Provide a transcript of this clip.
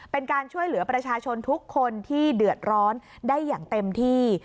เป็นการช่วยเหลือประชาชนทุกคนที่เดือดร้อนได้อย่างเต็มที่